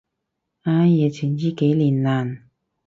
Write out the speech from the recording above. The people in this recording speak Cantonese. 唉，疫情依幾年，難。